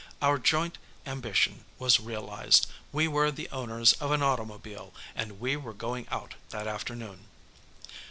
Our joint ambition was realized; we were the owners of an automobile, and we were going out that afternoon.